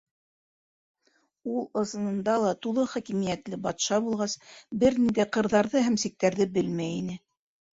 Ул ысынында ла тулы хакимиәтле батша булғас, бер ниндәй ҡырҙарҙы һәм сиктәрҙе белмәй ине.